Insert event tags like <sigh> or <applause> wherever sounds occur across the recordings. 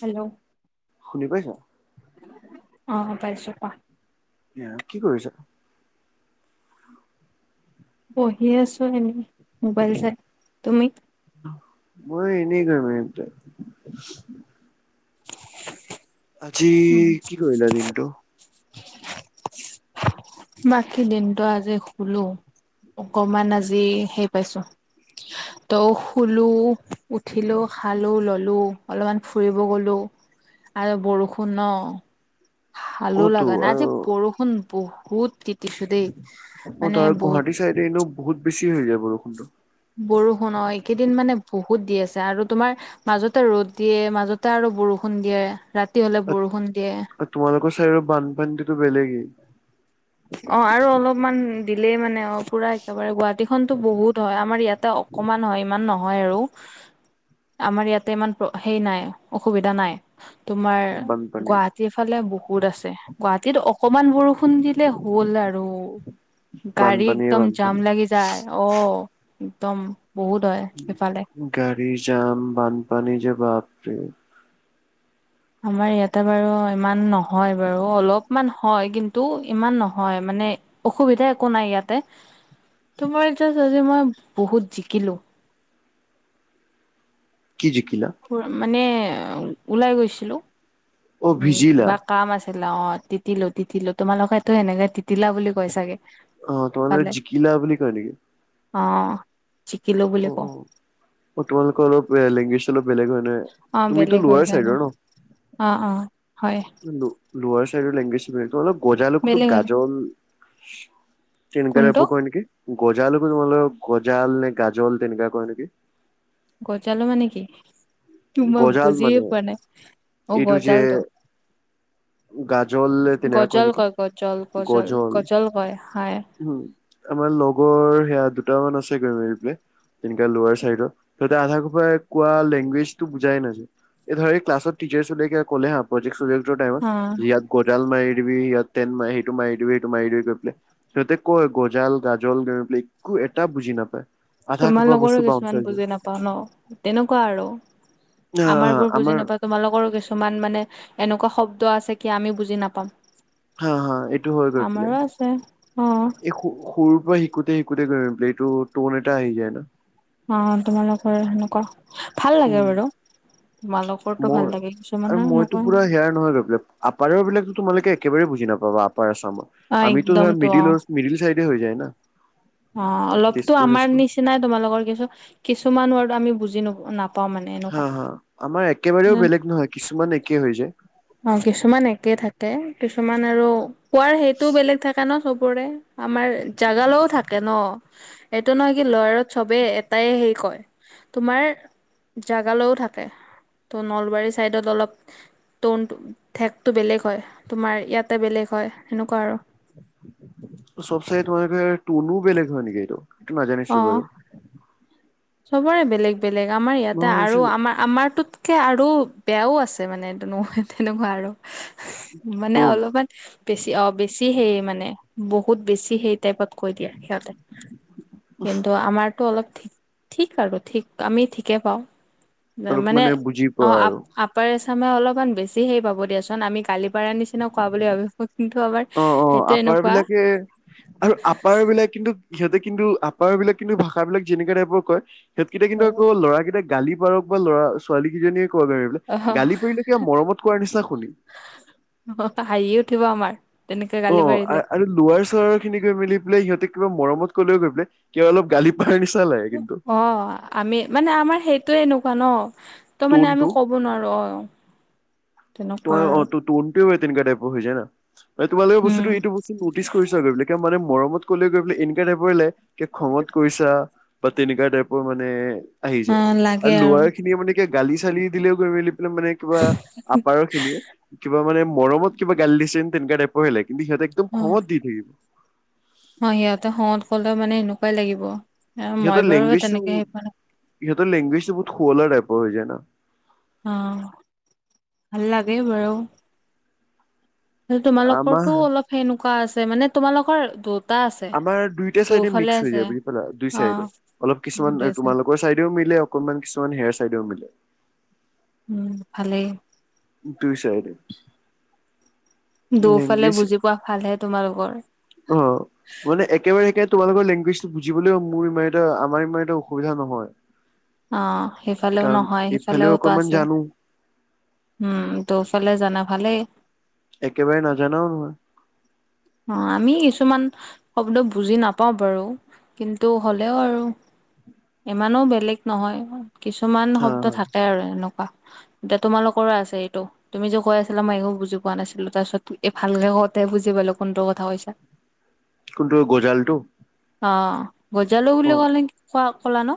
Hello. শুনি পাইছ? অঁ, পাইছ পা এয়া কি কৰিছ? বহি আছো এনেই মোবাইল চাই, তুমি? <inaudible> <inaudible> আজি উম, কি কৰিলা দিনটো? বাকী দিনটো আজি শুলো, অকমান আজি হেই পাইছো। ত শুলো উঠিলো খালো ল লো অলপমান ফুৰিব গলো আৰু বৰষুণ ন। ভালো অ' তো লগা নাই। আৰু আজি বৰষুণ বহুত তিতিছো দেই অ' মানে ব <inaudible> বহুত বেছি হৈ যায় বৰষুণটো। বৰষুণ অঁ এইকেইদিন মানে বহুত দি আছে, আৰু তোমাৰ মাজতে ৰ'দ দিয়ে, মাজতে আৰু বৰষুণ দিয়ে ৰাতি হলে বৰষুণ দিয়ে। তোমালোকৰ চাইডেৰ বানপানীতো বেলেগেই। অঁ আৰু অলপমান দিলেই মানে অঁ পুৰা একেবাৰে গুৱাহাটীখনতো বহুত হয় আমাৰ ইয়াতে অ কণমান হয়, ইমান নহয় আৰু। উ আমাৰ ইয়াতে ইমান প্ৰ' হেই নাই, অসুবিধা নাই। তোমাৰ বানপানীৰ গুৱাহাটীৰ ফালে বহুত আছে, গুৱাহাটীত অকমান বৰষুণ দিলে হ'ল আৰু গাড়ী বানপানীয়ে একদম জাম বানপানী। লাগি <inaudible> যায় অ', একদম বহুত হয় সিফালে। গাড়ীৰ জাম বানপানী যে বাপৰে। আমাৰ ইয়াতে বাৰু ইমান নহয় বাৰু, অলপমান হয় কিন্তু <inaudible> ইমান নহয় মানে, অসুবিধা একো নাই ইয়াতে। তোমাৰ <unintelligible> মই বহুত জিকিলোঁ। কি জিকিলা? <unintelligible> মানে ওলাই গৈছিলোঁ অ' <unintelligible> ভিজিলা। কিবা কাম আছিলে অ', তিতোলো তিতোলো, তোমালোকেতো সেনেকে তিতিলা বুলি কয় চাগে অ', ফালে <unintelligible> জিকিলা বুলি কয় নেকি? অ', জিকিলোঁ বুলি অ' কওঁ। অ'। অ', তোমালোকৰ অলপ <unintelligible> লেংগুৱজটো অলপ বেলেগ হয় নে, অ তুমিতো বেলেগ হৈ লোৱাৰ যায় চাইডৰ ন? অ', অ', হয়। <inaudible> লোৱাৰ চাইডৰ লেংগুৱেজ <unintelligible> গজাল কতো বেলেগ হৈ যায় গাজল। তেনেকা কোনটো টাইপৰ কয় নেকি, গজালকো তোমালোক গজাল নে গাজাল তেনেকা কৈ নেকি? গজালো মানে কি? <unintelligible> গজাল বুজিয়ে মানে পোৱা নাই অ' এইটো যে গজালটো। গাজল তেনেকা গজাল নেকি কয় গজল গজাল গজল কয় <unintelligible> উম, আমাৰ লগৰ সেয়া দুটামান আছে গৈমাৰী পালে। তেনেকা লোৱাৰ চাইডৰ তাতে আধা <unintelligible> কোৱা লেংগুৱেজ <inaudible> বুজাই নাযায় এই ধৰ এই ক্লাছত টিচাৰ <unintelligible> কলে হা প্ৰ'জেক্ট অ <unintelligible> কডাল মাৰি দিবি <unintelligible> মাৰি দিবি <unintelligible> মাৰি দিবি গৈ পেলাই। সিহঁতে কয় গজাল গাজল <unintelligible> একো এটা বুজি নাপায়। আধা সোপা বস্তু তোমালোকৰো বাউন্স কিছুমান হৈ যায়। বুজি নাপাওঁ ন, তেনেকুৱা আৰু হা হা আমাৰ বোৰ বুজি <unintelligible> তোমালোকৰো কিছুমান মানে এনেকুৱা শব্দ আছে কি আমিও বুজি নাপাওঁ। হা হা এইটো হৈ গৈ পালে আছে অ এই <unintelligible> সৰুৰ পৰা <inaudible> <unintelligible> এইটো টোন এটা আহি যায় না <unintelligible> অ', তোমালোকৰ সেনেকুৱা ভাল লাগে উম বাৰু তোমালোকৰ <unintelligible> মই ভাল লাগে আৰু কিছুমানৰ মইতো <unintelligible> <unintelligible> আপাৰৰ বিলাকো <unintelligible> একে বাৰে বুজি নাপাবা আপাৰ আছামত অ আমিতো ধৰা একদমটো অ মিডিলৰ মিডিল <unintelligible> <unintelligible> যায় না? অ', অলপতো তেজপুৰ আমাৰ চেজপুৰ নিচিনাই তোমালোকৰ কিছু কিছুমান ৱাৰ্ড আমি বুজি <unintelligible> হা এনেকুৱা হা, আমাৰ একেবাৰেও বেলেগ নহয়, কিছুমান একেই হৈ যায়। অ', কিছুমান একে থাকে, কিছুমান আৰু কোৱাৰ সেইটো বেলেগ থাকে ন, চবৰে। আমাৰ জাগালৈও থাকে ন'। এইটো নহয় কি <unintelligible> চবেই এটাই হেৰি কয় তোমাৰ জাগালৈও থাকে ত' নলবাৰী চাইডত অলপ টনটো ঠেকটো বেলেগ হয়, তোমাৰ ইয়াতে বেলেগ হয় সেনেকুৱা আৰু। <inaudible> চব চাই <unintelligible> বেলেগ হয় নেকি, এইটো এইটো নাজানিছিলোঁ অ বাৰু। চবৰে বেলেগ বেলেগ আমাৰ মই ইয়াতে আৰু ভাবিছিলো আমা আমাৰটোতকৈ আৰু বেয়াও আছে মানে <unintelligible> তেনেকুৱা আৰু। মানে টন অলপমান বেছি অ' বেছি সেই মানে বহুত বেছি সেই টাইপত কৈ দিয়ে সিহঁতে, কিন্তু আমাৰতো অলপ ঠিক ঠিক আৰু ঠিক আমি ঠিকে পাওঁ অলপ মানে বুজি পোৱা অ' আপ আৰু আপ আপাৰ আচামে অলপমান বেছি সেই পাব দিয়াচোন, আমি গালি পাৰা নিচিনা কোৱা বুলি ভাবিব। কিন্তু আমাৰ অ অ সেইটো আপাৰ এনেকুৱা বিলাকে আৰু আপাৰ বিলাক কিন্তু, সিহঁতে কিন্তু আপাৰ বিলাক কিন্তু ভাষাবিলাক যেনেকুৱা টাইপৰ কয় সিহঁতকেইটা অ কিন্তু আকৌ ল'ৰাকেইটা গালি পাৰক বা ল'ৰা-ছোৱালী কেইজনীয়ে ক'ক অ এই গালি পাৰিলে কিবা মৰমত কোৱাৰ নিচিনা শুনি। <inaudible> বৰকে হাঁহি উঠিব আমাৰ। তেনেকে গালি অ', পাৰিলে আ-আৰু লোৱাৰ চোৱাৰ খিনি গৈ মেলি পেলাই সিহঁতে কিবা মৰমত ক'লেও গৈ পেলাই, কিয় অলপ গালি পাৰা নিচিনা লাগে। কিন্তু অ', আমি মানে আমাৰ সেইটোয়ে এনেকুৱা ন। তো মানে আমি টোনটো ক ক'ব নোৱাৰো অ'। ত তেনেকুৱা আৰু অ' তনও তেনেকুৱা টাইপ হৈ যায় না, তোমালোকে উম বস্তুটো এইটো বস্তু নত নটিচ কৰিছা নে <unintelligible> মানে মৰমত ক'লে গৈ পেলাই এনকা টাইপৰে লাগে, কি খঙত কৈছা। বা তেনেকা টাইপৰ মানে আহি অ যায়, আৰু লাগে ল'ৱাৰ খিনিয়ে মানে কিবা গালি চালি দিলেও গৈ মেলি পেলাই, মানে কিবা আপাৰৰ খিনিয়ে, কিবা মানে মৰমত কিবা গালি দিচেন তেনকা টাইপৰে লাগে, কিন্তু সিহঁতে একদম অ খংঙত দি থাকিব। অ', সিহঁতে খংঙত ক'লেও মানে এনেকুৱাই লাগিব। মই বাৰু তেনেকে হে পোৱা নাই। ইহঁত লেংগুৱেজ তো বহুত শুৱলা টাইপৰ হৈ যায় না। অ', ভাল লাগে বাৰু। আমাৰ তোমালোকৰতো অলপ সেনেকুৱা আছে, মানে তোমালোকৰ এইটোত আমাৰ দুইটা চাইডে মিক্স হৈ যায় বুজি পালা, দুই অ চাইডে। অলপ কিছুমান তোমালোক কৰ চাইডেও মিলে, অকনমান কিছুমান হেৰ চাইডেও মিলে। উম, ভালে। দুই চাইডে। দুয়োফালে লেংগুৱেজ বুজি পোৱা ভালহে তোমালোকৰ। অ'। মানে একেবাৰে একে তোমালোকৰ লেংগুৱেজ টো বুজিবলৈও মোৰ ইমান এটা আমাৰ ইমান এটা অসুবিধা নহয়। <unintelligible> অ', সেইফালেও কাৰণ নহয় ইফালেও সেইফালেওতো অকনমান আছে। জানো উম, দুয়োফালে জানা ভালেই। একেবাৰে নাজানোঁ মই। অ', আমি কিছুমান শব্দ বুজি নাপাওঁ বাৰু, কিন্তু হ'লেও আৰু ইমানো বেলেগ নহয়, কিছুমান হা শব্দ হা থাকে আৰু এনেকুৱা। এতিয়া তোমালোকৰো আছে এইটো। তুমি যে কৈ আছিলা মই একো বুজি পোৱা নাছিলোঁ, তাৰ পিছত এই ভালকে কওঁতে বুজি পালোঁ। কোনটো কথা কৈছা? কোনটো গজালটো? অ', গজালো অ বুলি ক'লে কি <unintelligible> ক'লা নো?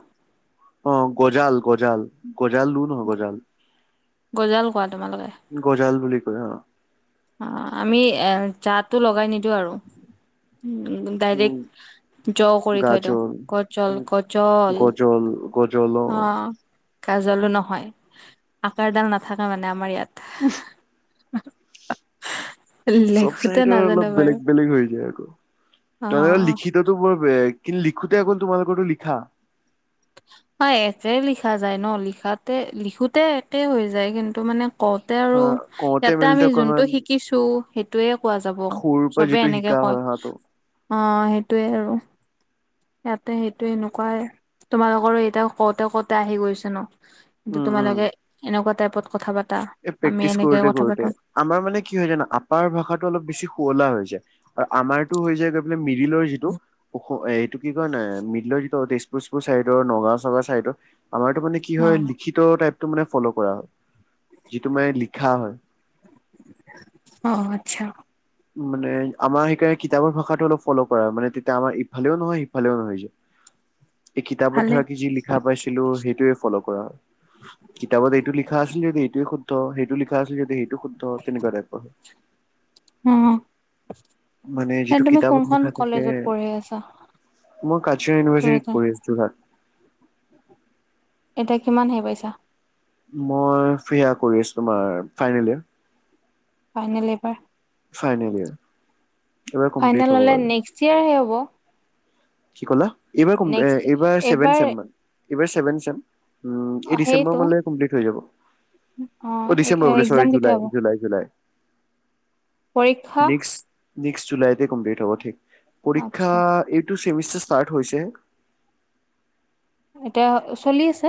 অ', গজাল, গজাল, গজালো নহয়, গজাল। গজাল কোৱা তোমালোকে। গজাল বুলি কয় অ'। অ', আমি এ জাটো লগাই নিদিওঁ আৰু। উম, উম ডাইৰেক্ট জ কৰি থৈ দিওঁ, গাজল গজল গজল, গজল গজল অ'। কাজলো নহয়, আকাৰ ডাল নাথাকে মানে আমাৰ ইয়াত। <unintelligible> <unintelligible> চব লেখোতে চাইডৰ অলপ নাজানো বাৰু। বেলেগ বেলেগ হৈ যায় আকৌ, অ', <unintelligible> লিখিতটো বৰ বেয়া, কিন্তু লিখোঁতে অকল তোমালোকৰ টো লিখা হয় একে লিখা যায় ন লিখাতে লিখোঁতে একে হৈ যায়, কিন্তু মানে কওঁতে আৰু হা কওঁতে ইয়াতে মেলোতে আমি যোনটো অকনমান শিকিছোঁ সেইটোৱে কোৱা যাব, সৰুৰ পৰা চবে যিটো এনেকে কয়। <unintelligible> অ', সেইটোৱে আৰু। ইয়াতে সেইটো এনেকুৱাই, তোমালোকৰো এতিয়া কওঁতে কওঁতে আহি গৈছে ন। কিন্তু উম তোমালোকে এনেকুৱা টাইপত কথা পা এ প্ৰেক্টিছ কৰোঁতে কৰোঁতে। আমাৰ মানে কি হয় জানা, আপাৰ ভাষাটো অলপ বেছি শুৱলা হৈ যায় আৰু আমাৰতো হৈ যায় গৈ মানে মিডিলৰ যিটো, <unintelligible> এইটো কি কয় ন মিডিলৰ যিটো টেষ্ট <unintelligible> পুৰ চাইদৰ, নগাঁও চগাঁও চাইদৰ, আমাৰতো মানে কি হয় অ', লিখিত টাইপতটো মানে ফ'ল' কৰা হয়। যিটো মানে লিখা হয়। অ', আচ্ছা। মানে আমাৰ সেইকাৰণে কিতাপৰ ভাষাটো অলপ ফ'ল' কৰা হয়, মানে তেতিয়া আমাৰ ইফালেও নহয় সিফালেও নহয় হৈ যায়। এই কিতাপত ভালে ধৰা কি যি লিখা পাইছিলো সেইটোৱে ফ'ল' কৰা হয়। কিতাপত এইটো লিখা আছিল যদি এইটোৱে শুদ্ধ, সেইটো লিখা আছিল যদি সেইটোয়ে শুদ্ধ তেনেকুৱা টাইপৰ হয়। উম। মানে যিটো কিতাপত লিখা থাকে, পঢ়ি আছা মই কাছাৰ ইউনিভাৰ্চিটিত যোৰহাটৰ পঢ়ি আছোঁ। যোৰহাট। এতিয়া কিমান হেৰাই পাইছা? মই ফ্ৰীয়া কৰি আছোঁ, তোমাৰ ফাইনেল ইয়েৰ। ফাইনেল এইবাৰ। Final year. এইবাৰ কমপ্লিট ফাইনেল হ'ব হ'লে আৰু। নেক্সট ইয়েৰ হে হ'ব। কি ক'লা? এইবাৰ এইবাৰ ছেভেন ছেম <inaudible> এইবাৰ চেভেন ছেম, উম, এই ডিচেম্বৰ সেইটো মানলে কমপ্লিট হৈ যাব। অ' ডিচেম্বৰ বোলে চৰি এক্জাম কেতিয়া জুলাই হ'ব জুলাই। জুলাই, পৰীক্ষা নেক্সট নেক্সট জুলাইতে কমপ্লিট হ'ব ঠিক পৰীক্ষা, আচ্ছা এইটো ছেমিষ্টাৰ ষ্টাৰ্ট হৈছেহে। এতিয়া চলি আছে,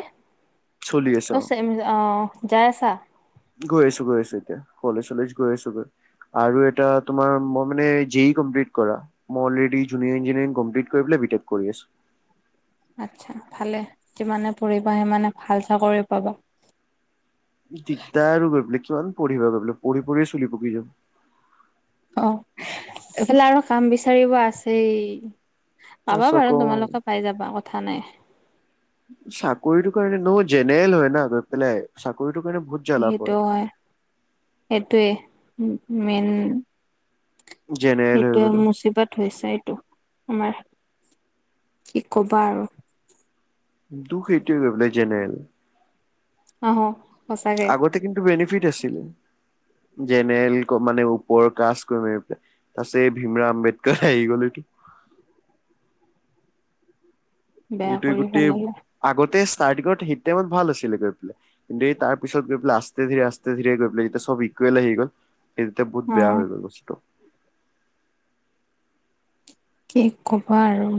চলি আছে অ <unintelligible> অ' যায় আছা? গৈ আছোঁ গৈ আছোঁ এতিয়া, কলেজ চলেজ গৈ আছোঁ গৈ। আৰু এটা তোমাৰ মই মানে জে ই কমপ্লিট কৰা। মই অলৰেডি জুনিয়ৰ ইঞ্জিনিয়াৰ কমপ্লিট কৰি পেলাই বি টেক কৰি আছোঁ। আচ্ছা, ভালে যিমানে পঢ়িবা সিমানে ভাল চাকৰি পাবা। দিগদাৰ আৰু গৈ পেলাই, কিমান পঢ়িবা গৈ পেলাই, পঢ় পঢ়িয়ে চুলি পকি যাব। অ', এইফালে আৰু কাম বিচাৰিব আছেই। পাবা তাৰপিছত বাৰু আকৌ তোমালোকে পাই যাবা কথা নাই। চাকৰিটোৰ কাৰণে ন জেনেৰেল হয় না গৈ পেলাই চাকৰিটোৰ কাৰণে বহুত জ্বালা সেইটো পৰে। হয়, সেইটোৱে মে-মেইন জেনেৰেল হৈ সেইটোৱে গ'লো মুচিবাত হৈছে এইটো আমাৰ, কি ক'বা আৰু। দুখ এইটো কৈ বোলে জেনেৰেল অ'হ সঁচাকে। তেতিয়া কিন্তু বেনিফিট আছিল, জেনেৰেল মানে ওপৰ কাজ কৰি ম পেলাই তাৰপিছত এই ভীমৰাম আম্বেদকাৰ আহি গ'ল নেকি? বেয়া এইটোৱে কৰি গোটেই পেলালে আগতে ষ্টাৰ্টিঙত সেই টাইমত ভাল আছিলে গৈ পেলাই। এই তাৰ পিছত গৈ পেলাই আস্থে ধীৰে, আস্থে ধীৰে গৈ পেলাই এতিয়া চব ইকুৱেল আহি গ'ল। এইখিতে বহুত অ বেয়া হৈ গ'ল বস্তু। কি ক'বা আৰু?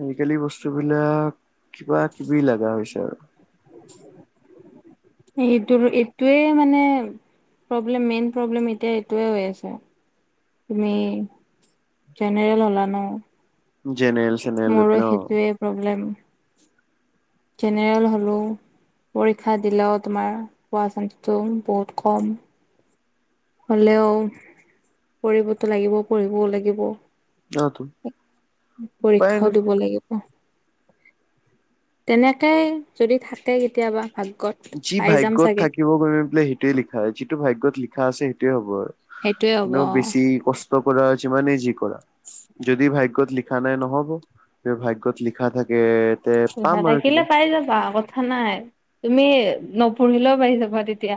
আজিকালি বস্তু বিলাক কিবা-কিবি লগা হৈছে আৰু। এইটোৰ এইটোৱে মানে প্ৰব্লেম, মেইন প্ৰব্লেম এতিয়া এইটোৱে হৈ আছে। তুমি জেনেৰেল হ'লা ন। জেনেৰেল চেনেৰেল লৈ মোৰো পেলাই অ সেইটোৱে প্ৰব্লেম, জেনেৰেল হ'লো। পৰীক্ষা দিলেওঁ তোমাৰ হোৱা চান্সটো বহুত কম। হ'লেও পঢ়িবতো লাগিব, পঢ়িবও লাগিব। অ তো উপায় পৰীক্ষাও নাই দিব লাগিব। তেনেকে যদি থাকে কেতিয়াবা ভাগ্যত যি পাই যাম ভাগ্যত চাগে থাকিব গৈ পেলাই সেইটোয়ে লিখা হয়। যিটো ভাগ্যত লিখা আছে, সেইটোয়ে হ'ব আৰু। সেইটোৱে হ'ব এনেও অ বেছি কষ্ট কৰা যিমানেই যি কৰা, যদি ভাগ্যত লিখ লিখা নাই নহ'ব, যদি ভাগ্যত লিখা থাকে। তে পাম লিখা আৰু কিবা থাকিলে পাই যাবা আগত কথা নাই, তুমি নপঢ়িলেও পাৰি যাবা তেতিয়া।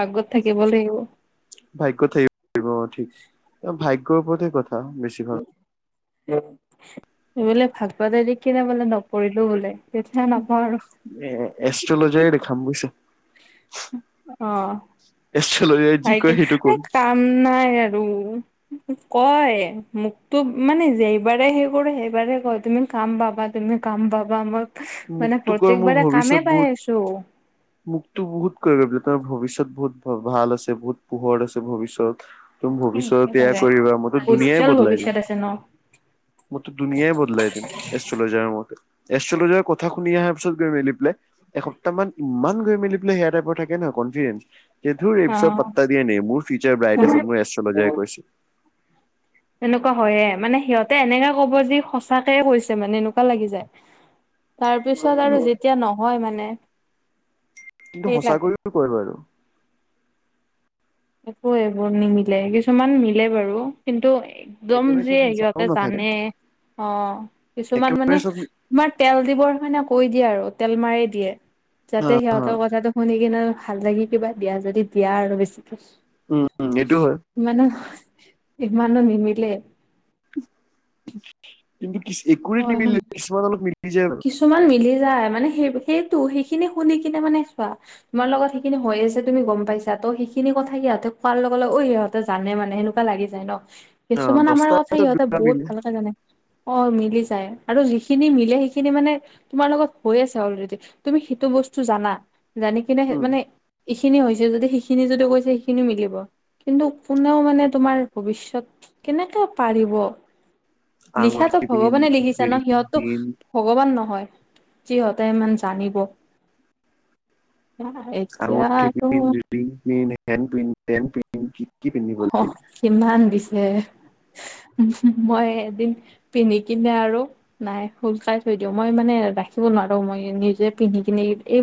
ভাগ্যত থাকিব লাগিব। ভাগ্যত থাকিব পাৰিব অ' ঠিক, ভাগ্যত ওপৰতে কথা বেছি। এই বোলে ভাগ পতাই দি কিনে বোলে নকৰিলো বোলে। চেষ্টা নকৰে আৰু। এ এষ্ট্ৰলজাৰয়ে দেখাম বুজিছ। <unintelligible> অ এষ্ট্ৰলজাৰয়ে যি কয় সেইটো কৰিম। উম' নাই আৰু। কয় মোকতো মানে যে বাৰে সেই কৰে সেইবাৰে কয় তুমি কাম পাবা, তুমি কাম পাবা, মই মানে মোকতো কয় মোৰ প্ৰত্যেকবাৰে কামেই ভৱিষ্যত পাই বহুত আছোঁ। মোকতো বহুত কৰিব, তোমাৰ ভৱিষ্যত বহুত ভাল আছে, বহুত পোহৰ আছে ভৱিষ্যত। তুমি ভৱিষ্যত এইয়া একেবাৰে কৰিবা, মইতো দুনীয়াই উজ্জ্বল বদলাই দিম। ভৱিষ্যত আছে ন মইতো দুনিয়াই বদলাই দিম, এষ্ট্ৰলজাৰ মতে এষ্ট্ৰলজাৰ ক কথা শুনি অহাৰ পিছত গৈ মেলি পেলাই, এসপ্তাহ মান ইমান গৈ মেলি পেলাই সেইয়া টাইপৰ থাকে নহয় কনফিডেন্ঞ্চ। সেইটো এই পিছত পাত্তা দিয়ে নি মোৰ ফিউচাৰ ব্ৰাইট আছে, অ মোৰ এষ্ট্ৰলজাৰে কৈছে। তেনেকুৱা হয় য়ে মানে সিহঁতে এনেকা ক'ব যে, সঁচাকে কৈছে মানে এনেকুৱা লাগি যায়। তাৰ পিছত কিন্তু আৰু যেতিয়া নহয় মানে কিন্তু সেই লাগে। সঁচাকৈ কৈ বাৰু। একো এইবোৰ নিমিলে, কিছুমান মিলে বাৰু কিন্তু একদম একেবাৰে যিয়ে চব মিছাও সিহঁতে নাথাকে জানে অ' কিছুমান একেবাৰে মানে চব তোমাৰ তেল দিবৰ কাৰণে কৈ দিয়ে আৰু তেল মাৰি দিয়ে, যাতে আহ সিহঁতৰ কথাটো শুনি এনেও ভাল লাগি কিবা দিয়া যদি দিয়া আৰু বেছিকে। উম' উম' এইটো হয়। মানে ইমানো নিমিলে স্কিপ কৰি দিবি হয় নিমিলিল কিছুমান অলপ মিলি যায় আৰু কিছুমান মিলি যায় মানে সেই সেইটো সেইখিনি শুনি কিনে মানে চোৱা তোমাৰ লগত সেইখিনি হৈ আছে তুমি গম পাইছা ত' সেইখিনি কথা সিহঁতে কোৱাৰ লগ ঐ ইিহঁত জানে মানে সেনেকুৱা লাগি যায় ন অ কিছুমান আমাৰ দহটাৰ কথা ভিতৰত সিহঁতে দুটা বহুত মিলে ভাল কথা জানে অ মিলি যাই আৰু যিখিনি মিলে সেইখিনি সিখিনি মানে তোমাৰ লগত হৈ আছে অলৰেডি তুমি সেইটো বস্তু জানা জানি <unintelligible> উম মানে এইখিনি হৈছে যদি সিখিনি যদি কৈছে সেইখিনিও মিলিব কিন্তু কোনেও মানে তোমাৰ ভৱিষ্যত কেনেকে পাৰিব লিখাতো আঙুঠি পিন ভগৱানে লিখিছো ন ৰিং সিহঁতো পিন ভগৱান নহয় যিহঁতে ইমান জানিব আঙুঠি পিন <unintelligible> পিন হেন পেন পিন কি কি পিন্ধিব লাগে কিমান দিছে মই এদিন পিন্ধি কিনে আৰু নাই শোজকাই থৈ দিওঁ মই মানে ৰাখিব নোৱাৰো মই নিজে পিন্ধি কিনে এই